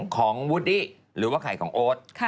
วูดดี้หรือว่าไข่ของโอ๊ต